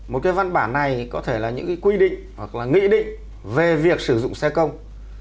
một cái văn bản này có thể là những cái quy định hoặc là nghị định về việc sử dụng xe công